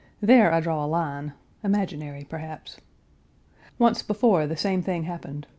There I draw a line, imaginary perhaps. Once before the same thing happened.